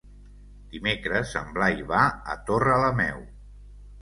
Dimecres en Blai va a Torrelameu.